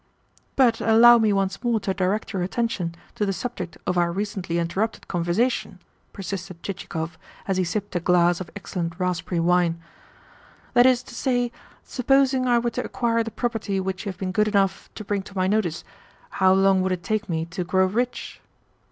"But allow me once more to direct your attention to the subject of our recently interrupted conversation," persisted Chichikov as he sipped a glass of excellent raspberry wine. "That is to say, supposing I were to acquire the property which you have been good enough to bring to my notice, how long would it take me to grow rich?"